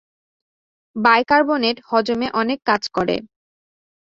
Bicarbonate হজম অনেক কাজ করে।